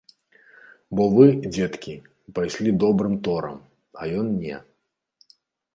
Бо вы, дзеткі, пайшлі добрым торам, а ён не.